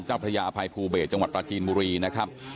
เจ้าพระยาภายภูเบตจังหวัดประกีนบุรีนะครับ